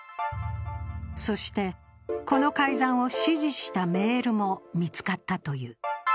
そして、この改ざんを指示したメールも見つかったという。